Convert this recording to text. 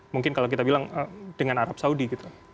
mungkin kalau kita bilang dengan arab saudi gitu